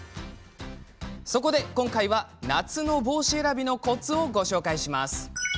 そこで今回は夏の帽子選びのコツをご紹介します。